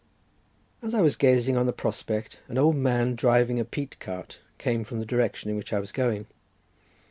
As I was gazing on the prospect, an old man driving a peat cart came from the direction in which I was going.